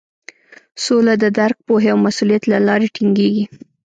سوله د درک، پوهې او مسولیت له لارې ټینګیږي.